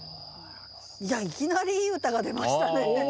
いやいきなりいい歌が出ましたね。